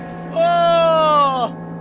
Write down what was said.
pak rt takut